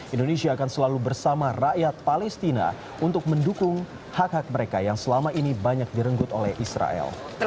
indonesia akan selalu bersama rakyat palestina untuk mendukung hak hak mereka yang selama ini banyak direnggut oleh israel